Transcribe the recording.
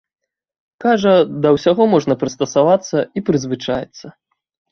Кажа, да ўсяго можна прыстасавацца і прызвычаіцца.